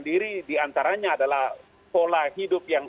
diri diantaranya adalah pola hidup yang